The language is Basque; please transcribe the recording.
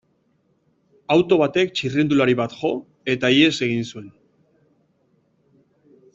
Auto batek txirrindulari bat jo, eta ihes egin zuen.